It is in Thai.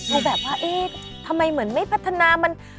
แบบว่าเอ๊ะทำไมเหมือนไม่พัฒนามัน